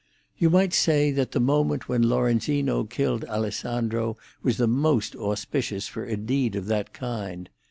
"You might say that the moment when Lorenzino killed Alessandro was the most auspicious for a deed of that kind.